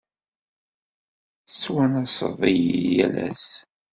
Tettwanaseḍ-iyi yal ass.